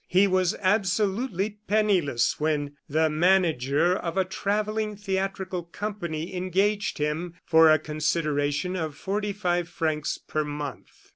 He was absolutely penniless when the manager of a travelling theatrical company engaged him for a consideration of forty five francs per month.